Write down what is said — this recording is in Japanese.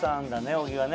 小木はね。